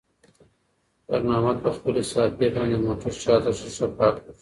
خیر محمد په خپلې صافې باندې د موټر شاته ښیښه پاکه کړه.